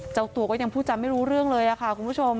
เจ้าตัวก็ยังพูดจำไม่รู้เรื่องเลยค่ะคุณผู้ชม